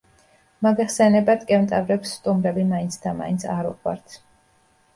მოგეხსენებათ, კენტავრებს სტუმრები მაინცდამაინც არ უყვართ.